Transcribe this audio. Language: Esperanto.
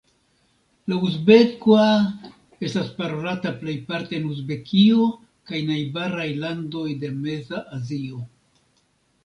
La uzbeka estas parolata plejparte en Uzbekio kaj najbaraj landoj de Meza Azio.